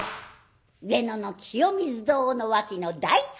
上野の清水堂の脇の大般若桜